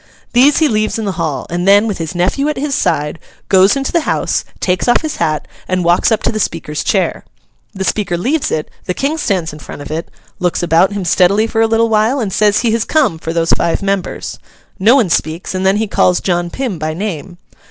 These he leaves in the hall; and then, with his nephew at his side, goes into the House, takes off his hat, and walks up to the Speaker's chair. The Speaker leaves it, the King stands in front of it, looks about him steadily for a little while, and says he has come for those five members. No one speaks, and then he calls John Pym by name.